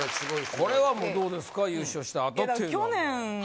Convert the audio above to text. これはもうどうですか優勝した後っていうのは。